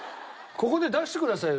ここで出してくださいよ